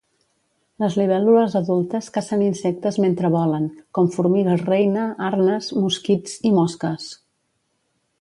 Les libèl·lules adultes cacen insectes mentre volen, com formigues reina, arnes, mosquits i mosques.